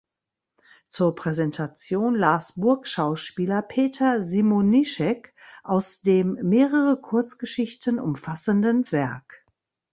Zur Präsentation las Burgschauspieler Peter Simonischek aus dem mehrere Kurzgeschichten umfassenden Werk.